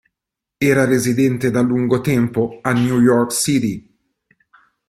Era residente da lungo tempo a New York City.